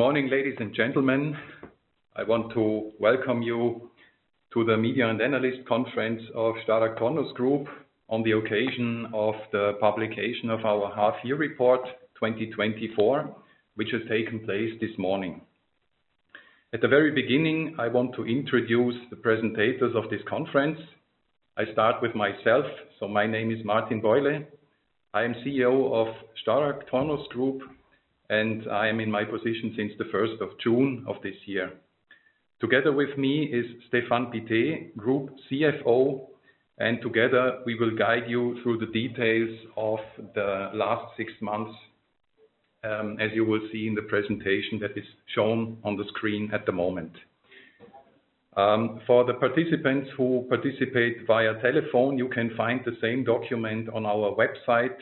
Morning, ladies and gentlemen. I want to welcome you to the Media and Analyst Conference of StarragTornos Group, on the occasion of the publication of our half-year report 2024, which has taken place this morning. At the very beginning, I want to introduce the presenters of this conference. I start with myself, so my name is Martin Buyle. I am CEO of StarragTornos Group, and I am in my position since the first of June of this year. Together with me is Stéphane Pittet, Group CFO, and together we will guide you through the details of the last six months, as you will see in the presentation that is shown on the screen at the moment. For the participants who participate via telephone, you can find the same document on our website,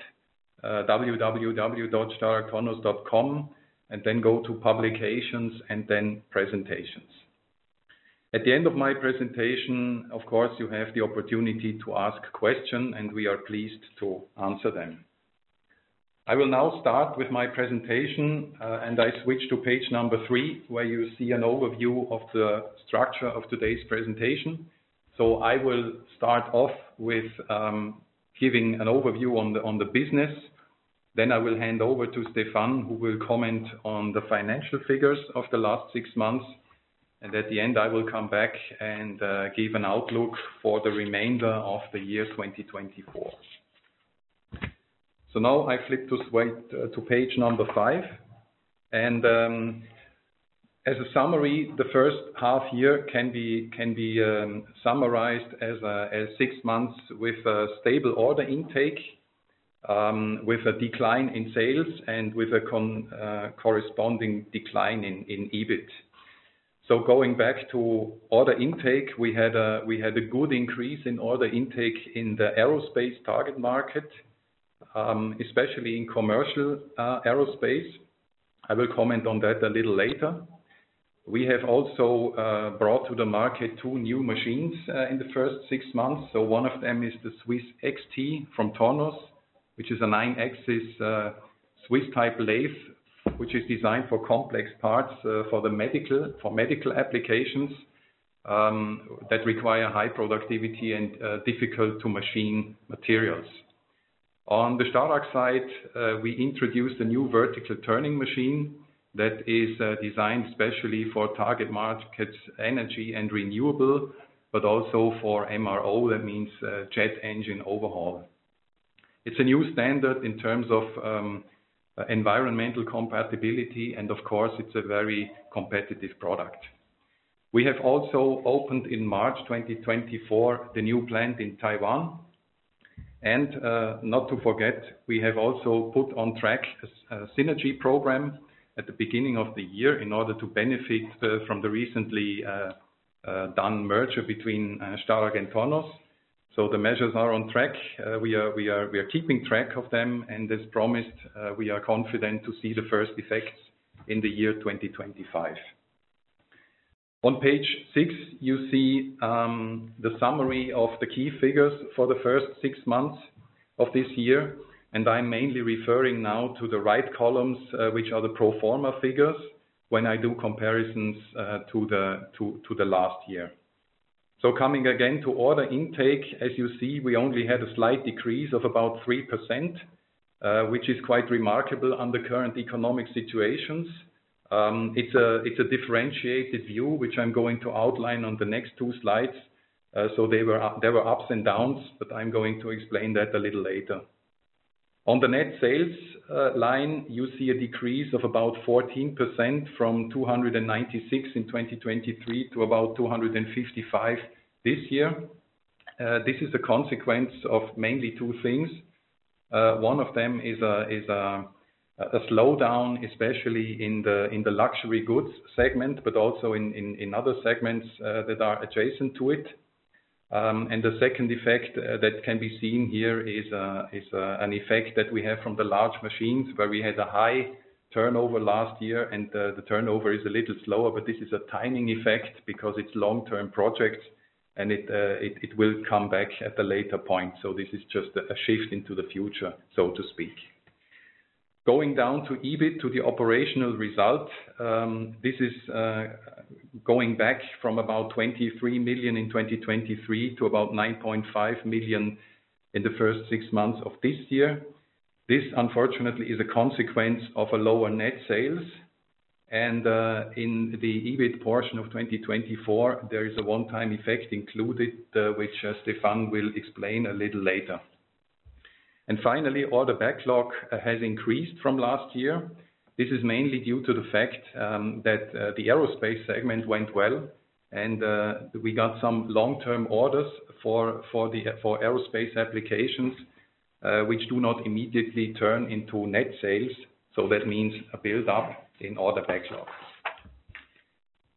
www.starragtoronos.com, and then go to Publications and then Presentations. At the end of my presentation, of course, you have the opportunity to ask a question, and we are pleased to answer them. I will now start with my presentation, and I switch to page number three, where you see an overview of the structure of today's presentation. So I will start off with giving an overview on the business. Then I will hand over to Stefan, who will comment on the financial figures of the last 6 months, and at the end, I will come back and give an outlook for the remainder of the year 2024. So now I flip to page number five, and, as a summary, the first half year can be summarized as six months with a stable order intake, with a decline in sales and with a corresponding decline in EBIT. So going back to order intake, we had a good increase in order intake in the aerospace target market, especially in commercial aerospace. I will comment on that a little later. We have also brought to the market two new machines in the first six months. So one of them is the Swiss XT from Tornos, which is a nine-axis Swiss-type lathe, which is designed for complex parts for medical applications that require high productivity and difficult-to-machine materials. On the Starrag side, we introduced a new vertical turning machine that is designed especially for target markets, energy and renewable, but also for MRO, that means jet engine overhaul. It's a new standard in terms of environmental compatibility, and of course, it's a very competitive product. We have also opened in March 2024 the new plant in Taiwan, and not to forget, we have also put on track a synergy program at the beginning of the year in order to benefit from the recently done merger between Starrag and Tornos. So the measures are on track. We are keeping track of them, and as promised, we are confident to see the first effects in the year 2025. On page six, you see, the summary of the key figures for the first 6 months of this year, and I'm mainly referring now to the right columns, which are the pro forma figures, when I do comparisons, to the last year. So coming again to order intake, as you see, we only had a slight decrease of about 3%, which is quite remarkable on the current economic situations. It's a differentiated view, which I'm going to outline on the next 2 slides. So there were ups and downs, but I'm going to explain that a little later. On the net sales line, you see a decrease of about 14% from 296 million in 2023 to about 255 million this year. This is a consequence of mainly two things. One of them is a slowdown, especially in the luxury goods segment, but also in other segments that are adjacent to it. And the second effect that can be seen here is an effect that we have from the large machines, where we had a high turnover last year, and the turnover is a little slower, but this is a timing effect because it's long-term projects and it will come back at a later point. So this is just a shift into the future, so to speak. Going down to EBIT, to the operational result, this is going back from about 23 million in 2023 to about 9.5 million in the first six months of this year. This, unfortunately, is a consequence of a lower net sales, and in the EBIT portion of 2024, there is a one-time effect included, which Stéphane will explain a little later. Finally, order backlog has increased from last year. This is mainly due to the fact that the aerospace segment went well, and we got some long-term orders for aerospace applications, which do not immediately turn into net sales, so that means a build-up in order backlogs.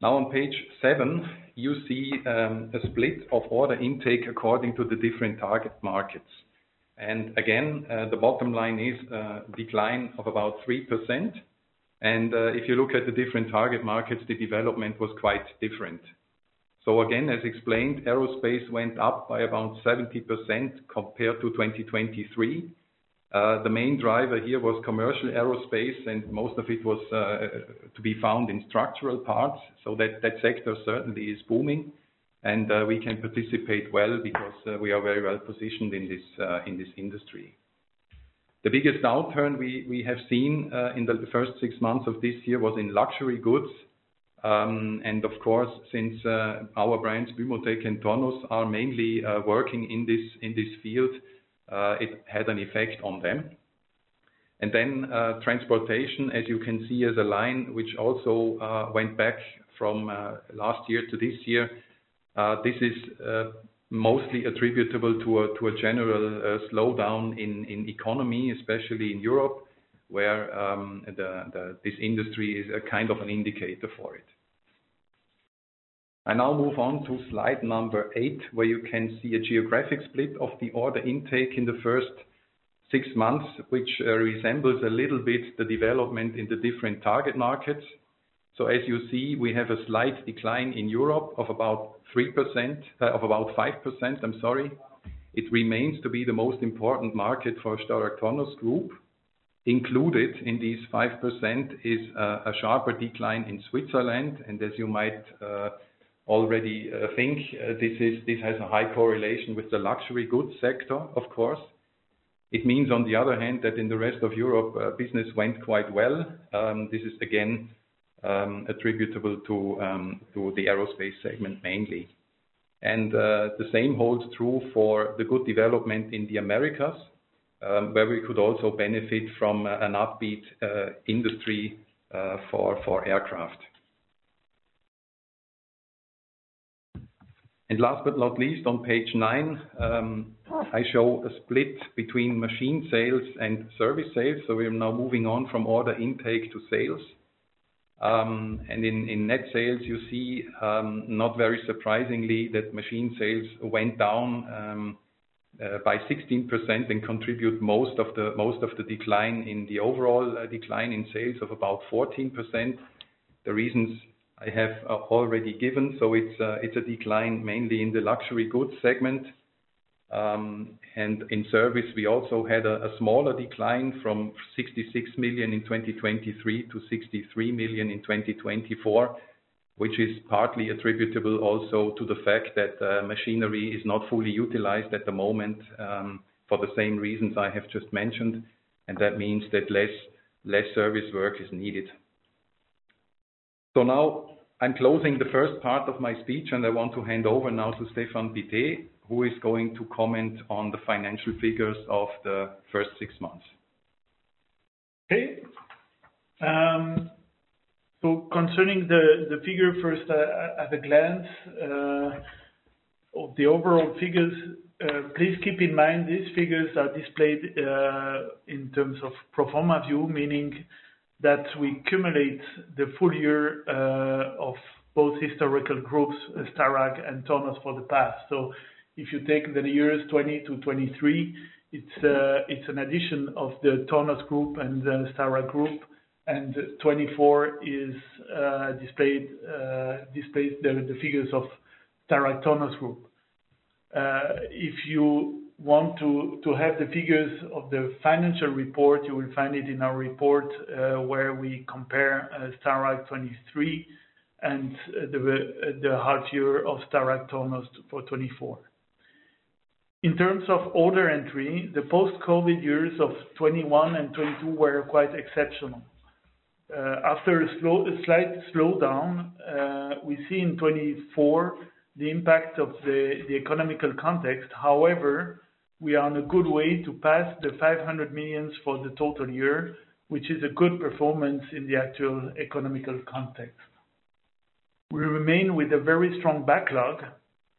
Now, on page 7, you see a split of order intake according to the different target markets. Again, the bottom line is a decline of about 3%. If you look at the different target markets, the development was quite different... So again, as explained, aerospace went up by about 70% compared to 2023. The main driver here was commercial aerospace, and most of it was to be found in structural parts. So that, that sector certainly is booming, and we can participate well because we are very well positioned in this, in this industry. The biggest downturn we have seen in the first six months of this year was in luxury goods. And of course, since our brands, Bumotec and Tornos, are mainly working in this, in this field, it had an effect on them. And then, transportation, as you can see, is a line which also went back from last year to this year. This is mostly attributable to a general slowdown in economy, especially in Europe, where this industry is a kind of an indicator for it. I now move on to slide number eight, where you can see a geographic split of the order intake in the first six months, which resembles a little bit the development in the different target markets. So as you see, we have a slight decline in Europe of about 3%, of about 5%, I'm sorry. It remains to be the most important market for StarragTornos Group. Included in these 5% is a sharper decline in Switzerland, and as you might already think, this has a high correlation with the luxury goods sector, of course. It means, on the other hand, that in the rest of Europe, business went quite well. This is again attributable to the aerospace segment mainly. The same holds true for the good development in the Americas, where we could also benefit from an upbeat industry for aircraft. Last but not least, on page nine, I show a split between machine sales and service sales, so we are now moving on from order intake to sales. And in net sales, you see, not very surprisingly, that machine sales went down by 16% and contribute most of the decline in the overall decline in sales of about 14%. The reasons I have already given, so it's a decline mainly in the luxury goods segment. And in service, we also had a smaller decline from 66 million in 2023 to 63 million in 2024, which is partly attributable also to the fact that machinery is not fully utilized at the moment, for the same reasons I have just mentioned, and that means that less service work is needed. So now I'm closing the first part of my speech, and I want to hand over now to Stéphane Pittet, who is going to comment on the financial figures of the first six months. Okay. So concerning the figure first, at a glance, of the overall figures, please keep in mind, these figures are displayed in terms of pro forma view, meaning that we cumulate the full year of both historical groups, Starrag and Tornos, for the past. So if you take the years 2020 to 2023, it's an addition of the Tornos Group and the Starrag Group, and 2024 displays the figures of StarragTornos Group. If you want to have the figures of the financial report, you will find it in our report, where we compare Starrag 2023 and the half year of StarragTornos for 2024. In terms of order entry, the post-COVID years of 2021 and 2022 were quite exceptional. After a slight slowdown, we see in 2024 the impact of the economic context. However, we are on a good way to pass 500 million for the total year, which is a good performance in the actual economic context. We remain with a very strong backlog,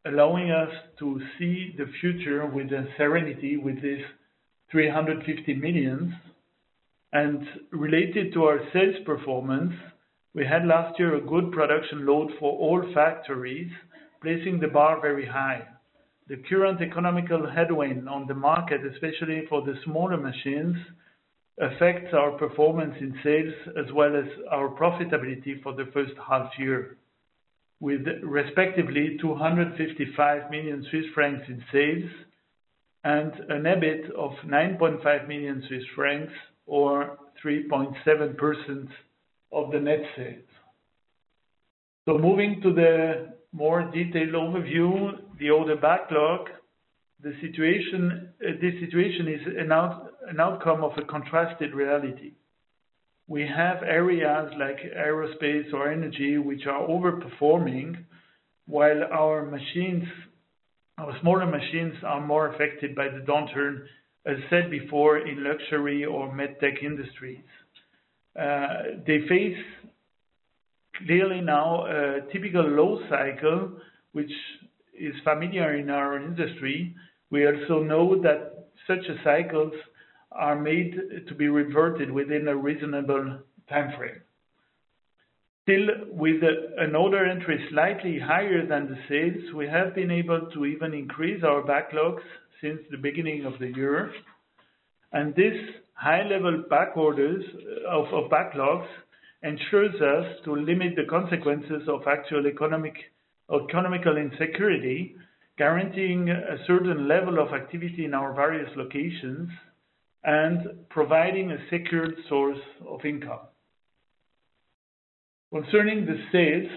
allowing us to see the future with serenity, with this 350 million. Related to our sales performance, we had last year a good production load for all factories, placing the bar very high. The current economic headwind on the market, especially for the smaller machines, affects our performance in sales as well as our profitability for the first half year, with respectively 255 million Swiss francs in sales, and an EBIT of 9.5 million Swiss francs, or 3.7% of the net sales. So moving to the more detailed overview, the order backlog, the situation, this situation is an outcome of a contrasted reality. We have areas like aerospace or energy, which are overperforming, while our machines, our smaller machines, are more affected by the downturn, as said before, in luxury or med tech industries. They face clearly now a typical low cycle, which is familiar in our industry. We also know that such cycles are made to be reverted within a reasonable timeframe. Still, with an order entry slightly higher than the sales, we have been able to even increase our backlogs since the beginning of the year. And this high level back orders of backlogs ensures us to limit the consequences of actual economic, economical insecurity, guaranteeing a certain level of activity in our various locations and providing a secured source of income. Concerning the sales,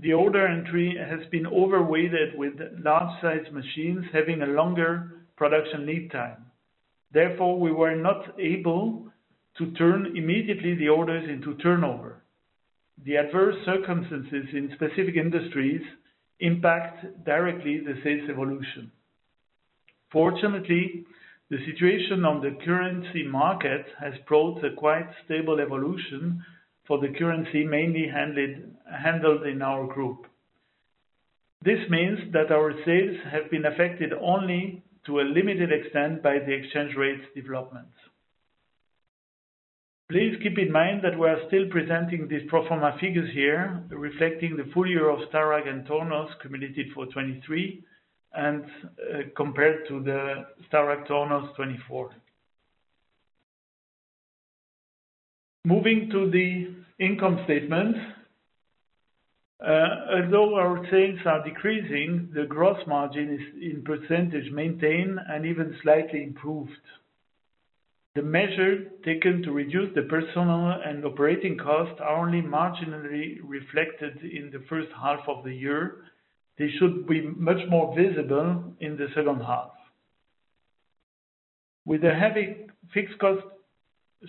the order entry has been overweighted with large-sized machines having a longer production lead time. Therefore, we were not able to turn immediately the orders into turnover. The adverse circumstances in specific industries impact directly the sales evolution. Fortunately, the situation on the currency market has brought a quite stable evolution for the currency mainly handled in our group. This means that our sales have been affected only to a limited extent by the exchange rates developments. Please keep in mind that we are still presenting these pro forma figures here, reflecting the full year of Starrag and Tornos committed for 2023, and compared to the StarragTornos 2024. Moving to the income statement, although our sales are decreasing, the gross margin is in percentage maintained and even slightly improved. The measures taken to reduce the personnel and operating costs are only marginally reflected in the first half of the year. They should be much more visible in the second half. With a heavy fixed cost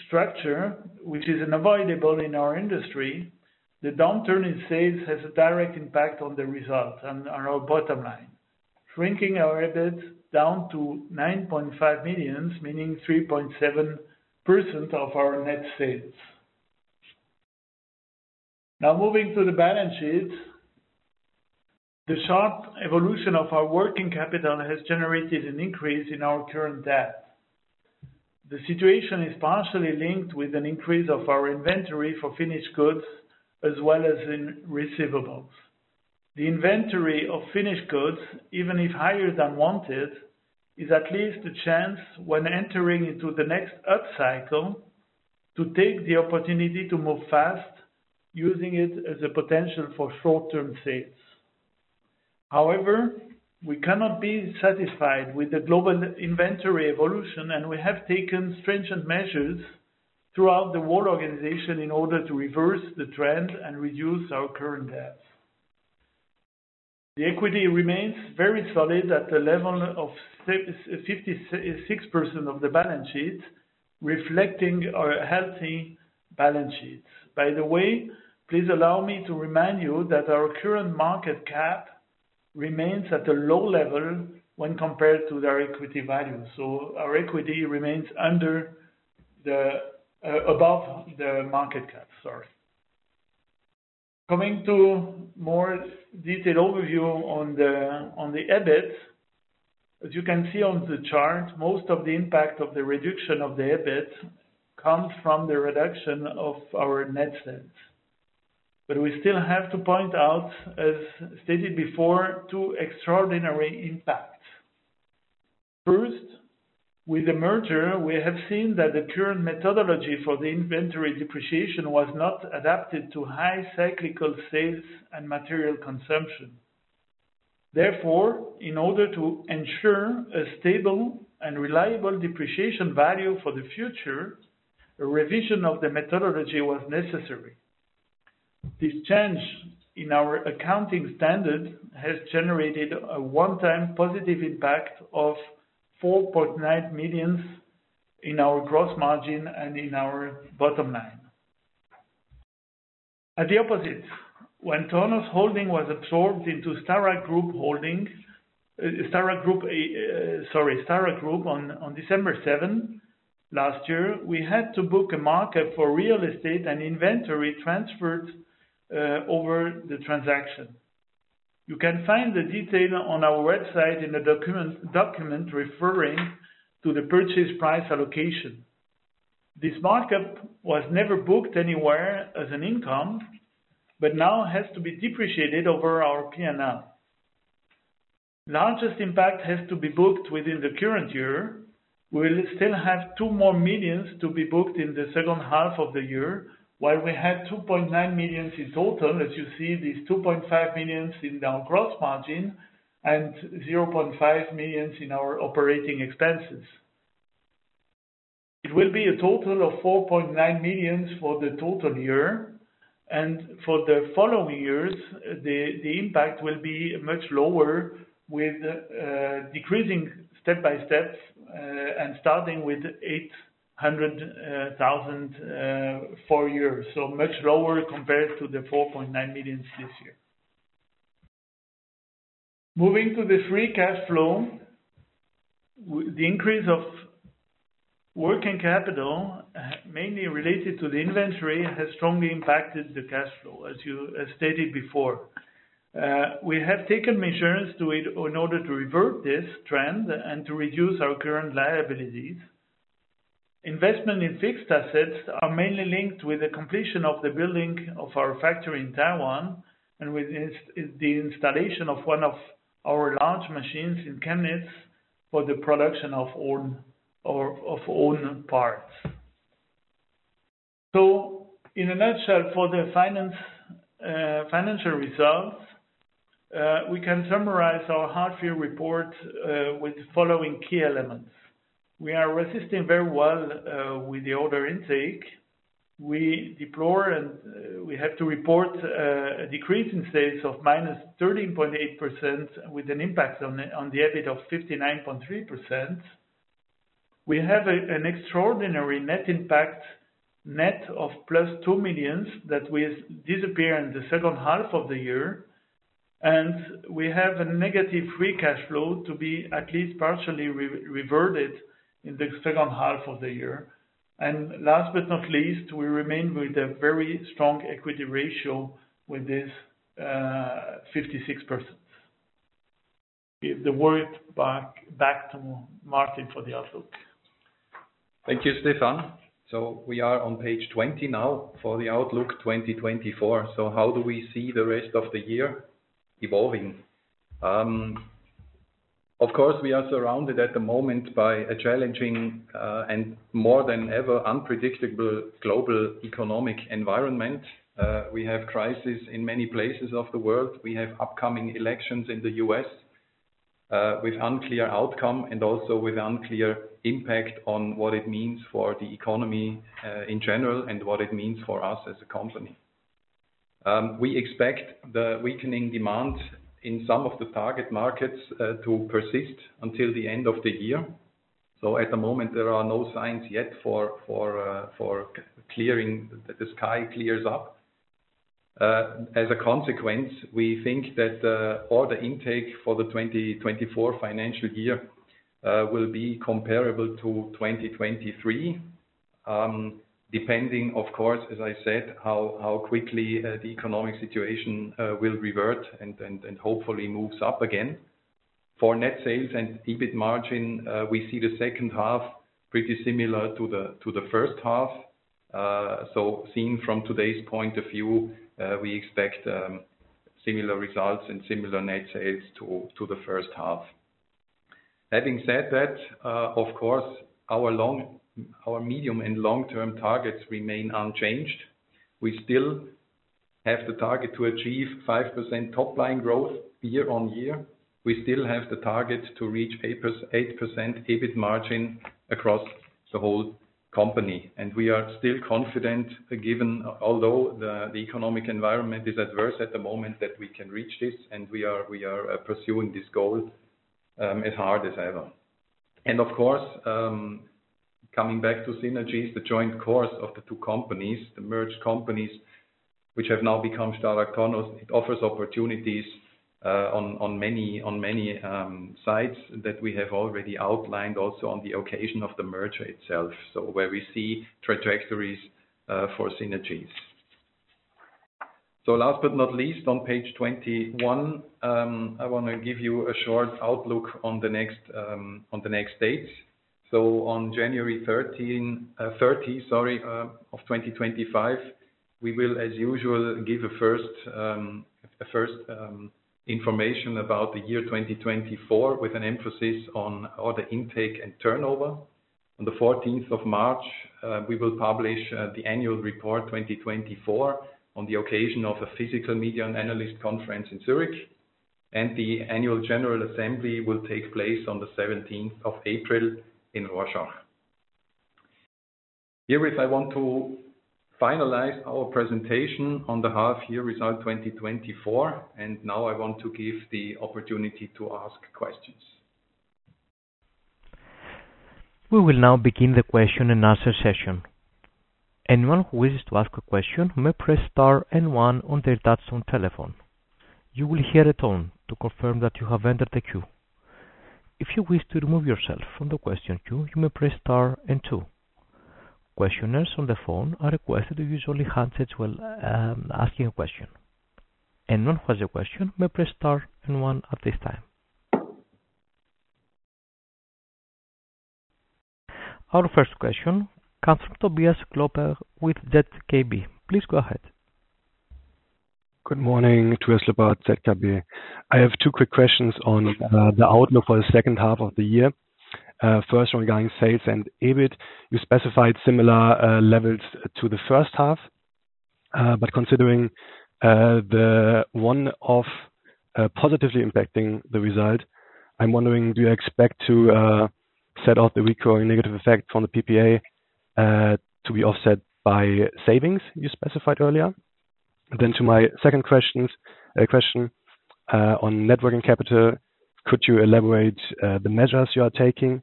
structure, which is unavoidable in our industry, the downturn in sales has a direct impact on the result and on our bottom line, shrinking our EBIT down to 9.5 million, meaning 3.7% of our net sales. Now, moving to the balance sheet. The sharp evolution of our working capital has generated an increase in our current debt. The situation is partially linked with an increase of our inventory for finished goods, as well as in receivables. The inventory of finished goods, even if higher than wanted, is at least a chance when entering into the next upcycle, to take the opportunity to move fast, using it as a potential for short-term sales. However, we cannot be satisfied with the global inventory evolution, and we have taken stringent measures throughout the world organization in order to reverse the trend and reduce our current debts. The equity remains very solid at the level of 656% of the balance sheet, reflecting our healthy balance sheets. By the way, please allow me to remind you that our current market cap remains at a low level when compared to their equity value. So our equity remains under the, above the market cap, sorry. Coming to more detailed overview on the, on the EBIT. As you can see on the chart, most of the impact of the reduction of the EBIT comes from the reduction of our net sales. We still have to point out, as stated before, two extraordinary impacts. First, with the merger, we have seen that the current methodology for the inventory depreciation was not adapted to high cyclical sales and material consumption. Therefore, in order to ensure a stable and reliable depreciation value for the future, a revision of the methodology was necessary. This change in our accounting standard has generated a one-time positive impact of 4.9 million in our gross margin and in our bottom line. At the opposite, when Tornos Holding was absorbed into Starrag Group Holding, Starrag Group, sorry, Starrag Group, on December seven last year, we had to book a markup for real estate and inventory transferred over the transaction. You can find the detail on our website in the document referring to the purchase price allocation. This markup was never booked anywhere as an income, but now has to be depreciated over our PNL. Largest impact has to be booked within the current year. We'll still have 2 million to be booked in the second half of the year, while we had 2.9 million in total. As you see, these 2.5 million in our gross margin and 0.5 million in our operating expenses. It will be a total of 4.9 million for the total year, and for the following years, the impact will be much lower with decreasing step by step, and starting with 800,000 four years. So much lower compared to the 4.9 million this year. Moving to the free cash flow, the increase of working capital, mainly related to the inventory, has strongly impacted the cash flow, as you, as stated before. We have taken measures to it in order to revert this trend and to reduce our current liabilities. Investment in fixed assets are mainly linked with the completion of the building of our factory in Taiwan, and with this, is the installation of one of our large machines in Chemist for the production of own, or of own parts. So in a nutshell, for the financial results, we can summarize our half year report with the following key elements: We are resisting very well with the order intake. We deplore, and we have to report, a decrease in sales of -13.8%, with an impact on the EBIT of 59.3%. We have an extraordinary net impact, net of +2 million, that will disappear in the second half of the year, and we have a negative free cash flow to be at least partially reverted in the second half of the year. And last but not least, we remain with a very strong equity ratio with this 56%. Give the word back to Martin for the outlook. Thank you, Stéphane. So we are on page 20 now for the outlook 2024. So how do we see the rest of the year evolving? Of course, we are surrounded at the moment by a challenging, and more than ever, unpredictable global economic environment. We have crisis in many places of the world. We have upcoming elections in the U.S., with unclear outcome, and also with unclear impact on what it means for the economy, in general, and what it means for us as a company. We expect the weakening demand in some of the target markets, to persist until the end of the year. So at the moment, there are no signs yet for clearing, the sky clears up. As a consequence, we think that order intake for the 2024 financial year will be comparable to 2023. Depending, of course, as I said, how quickly the economic situation will revert and hopefully moves up again. For net sales and EBIT margin, we see the second half pretty similar to the first half. So seen from today's point of view, we expect similar results and similar net sales to the first half. Having said that, of course, our medium and long-term targets remain unchanged. We still have the target to achieve 5% top line growth year-on-year. We still have the target to reach 8% EBIT margin across the whole company, and we are still confident, given although the economic environment is adverse at the moment, that we can reach this, and we are pursuing this goal as hard as ever. And of course, coming back to synergies, the joint course of the two companies, the merged companies, which have now become StarragTornos. It offers opportunities on many sides that we have already outlined, also on the occasion of the merger itself, so where we see trajectories for synergies. So last but not least, on page 21, I want to give you a short outlook on the next dates. So on January 30, 2025, we will, as usual, give a first information about the year 2024, with an emphasis on order intake and turnover. On the 14th of March, we will publish the annual report 2024, on the occasion of a physical media and analyst conference in Zurich. The Annual General Assembly will take place on the 17th of April in Rorschach. Herewith, I want to finalize our presentation on the half-year result, 2024, and now I want to give the opportunity to ask questions. We will now begin the question and answer session. Anyone who wishes to ask a question may press star and one on their touch tone telephone. You will hear a tone to confirm that you have entered the queue. If you wish to remove yourself from the question queue, you may press star and two. Questioners on the phone are requested to use the handset while asking a question. Anyone who has a question may press star and one at this time. Our first question comes from Tobias Badtke with DZ Bank. Please go ahead. Good morning. Tobias Badtke, DZ Bank. I have two quick questions on the outlook for the second half of the year. First, regarding sales and EBIT, you specified similar levels to the first half, but considering the one-off positively impacting the result, I'm wondering, do you expect to set off the recurring negative effect from the PPA to be offset by savings you specified earlier? Then to my second question on working capital, could you elaborate the measures you are taking?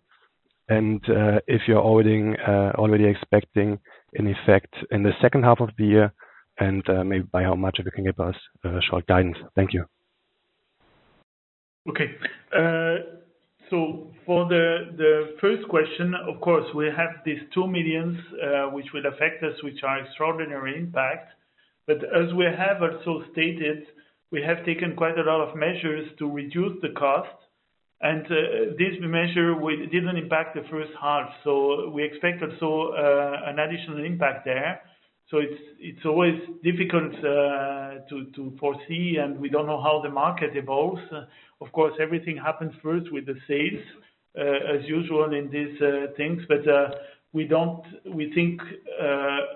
And if you're already expecting an effect in the second half of the year, and maybe by how much, if you can give us a short guidance. Thank you. Okay. So for the, the first question, of course, we have these 2 million, which will affect us, which are extraordinary impact. But as we have also stated, we have taken quite a lot of measures to reduce the cost. And, this measure we didn't impact the first half, so we expected, so, an additional impact there. So it's, it's always difficult, to, to foresee, and we don't know how the market evolves. Of course, everything happens first with the sales, as usual in these, things, but, we don't, we think,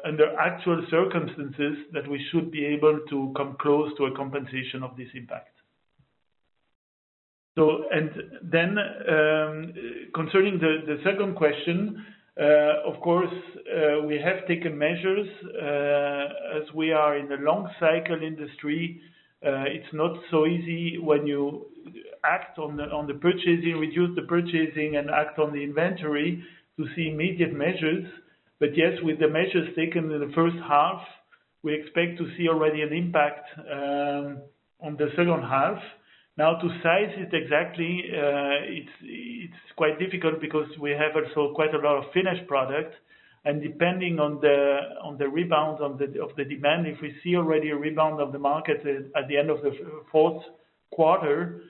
under actual circumstances, that we should be able to come close to a compensation of this impact. So, concerning the second question, of course, we have taken measures, as we are in a long cycle industry. It's not so easy when you act on the purchasing, reduce the purchasing and act on the inventory to see immediate measures. But yes, with the measures taken in the first half, we expect to see already an impact on the second half. Now, to size it exactly, it's quite difficult because we have also quite a lot of finished product, and depending on the rebound of the demand, if we see already a rebound of the market at the end of the fourth quarter,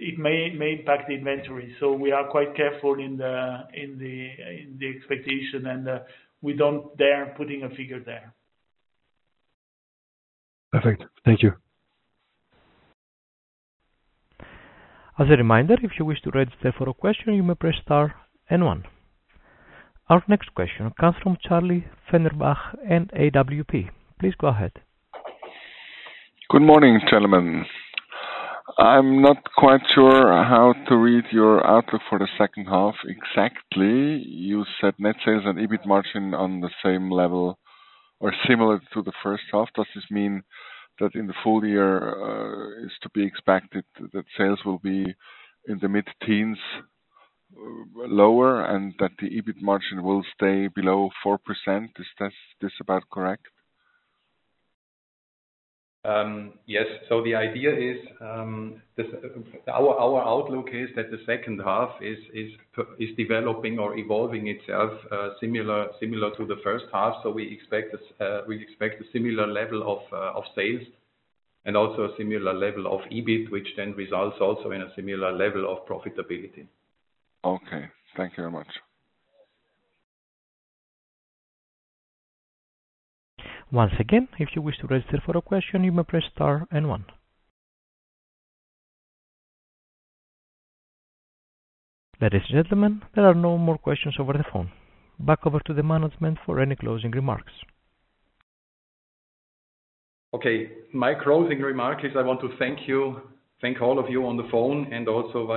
it may impact the inventory. We are quite careful in the expectation, and we don't dare putting a figure there. Perfect. Thank you. As a reminder, if you wish to register for a question, you may press star and one. Our next question comes from Charlie Fenderbach in AWP. Please go ahead. Good morning, gentlemen. I'm not quite sure how to read your outlook for the second half exactly. You said net sales and EBIT margin on the same level or similar to the first half. Does this mean that in the full year, is to be expected that sales will be in the mid-teens, lower, and that the EBIT margin will stay below 4%? Is this about correct? Yes. So the idea is, our outlook is that the second half is developing or evolving itself, similar to the first half. So we expect a similar level of sales and also a similar level of EBIT, which then results also in a similar level of profitability. Okay. Thank you very much. Once again, if you wish to register for a question, you may press star and one. Ladies and gentlemen, there are no more questions over the phone. Back over to the management for any closing remarks. Okay, my closing remark is, I want to thank you, thank all of you on the phone and also via-